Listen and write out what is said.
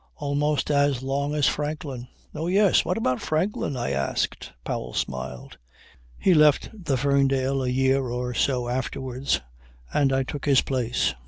Almost as long as Franklin." "Oh yes! What about Franklin?" I asked. Powell smiled. "He left the Ferndale a year or so afterwards, and I took his place.